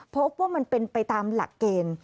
พบว่ามันเป็นไปตามหลักเกณฑ์